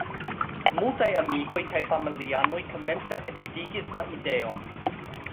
Multaj amikoj kaj familianoj komence ridigis la ideon.